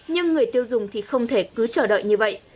nhưng người tiêu dùng thì không thể cứ chờ đợi như vậy